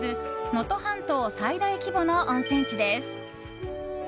能登半島最大規模の温泉地です。